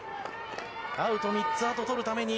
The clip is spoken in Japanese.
アウト３つ、あととるために。